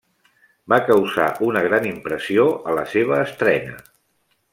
Va causar una gran impressió a la seva estrena.